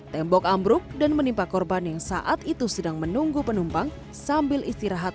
tembok ambruk dan menimpa korban yang saat itu sedang menunggu penumpang sambil istirahat